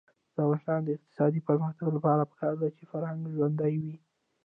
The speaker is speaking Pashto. د افغانستان د اقتصادي پرمختګ لپاره پکار ده چې فرهنګ ژوندی وي.